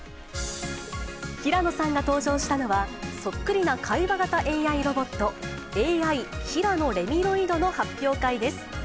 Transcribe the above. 平野さんが登場したのは、そっくりな会話型ＡＩロボット、ＡＩ平野レミロイドの発表会です。